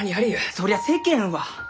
そりゃあ世間は！